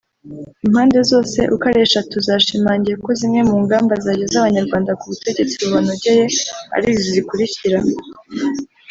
Impande zose uko ari eshatu zashimangiye ko zimwe mu ngamba zageza abanyarwanda ku butegetsi bubanogeye ari izi zikurikira